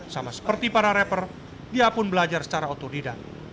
sama seperti para rapper dia pun belajar secara otodidak